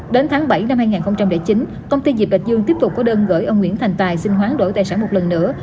đến tháng bảy năm hai nghìn chín công ty diệp bạch dương tiếp tục có đơn gửi ông nguyễn thành tài xin hoán đổi tài sản một lần nữa